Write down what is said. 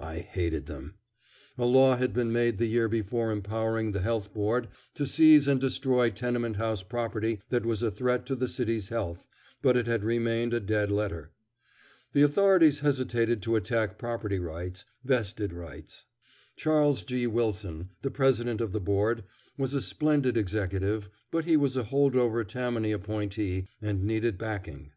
I hated them. A law had been made the year before empowering the Health Board to seize and destroy tenement house property that was a threat to the city's health, but it had remained a dead letter. The authorities hesitated to attack property rights, vested rights. Charles G. Wilson, the President of the Board, was a splendid executive, but he was a holdover Tammany appointee, and needed backing.